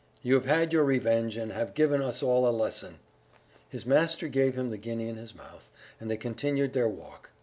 you have had your revenge, and have given us all a lesson." His master gave him the guinea in his mouth, and they continued their walk....